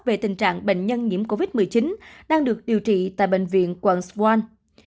về tình trạng bệnh nhân nhiễm covid một mươi chín đang được điều trị tại bệnh viện quận swan